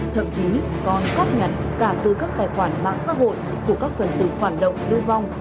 thậm chí còn cấp nhận cả từ các tài khoản mạng xã hội của các phần tự phản động lưu vong